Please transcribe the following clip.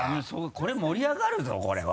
これ盛り上がるぞこれは。